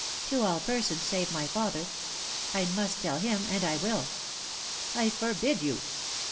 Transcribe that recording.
"To all persons save my father. I must tell him, and I will." "I forbid you."